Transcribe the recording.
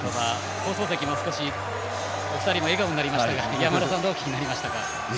放送席も少しお二人も笑顔になりましたがどうお聞きになりましたか？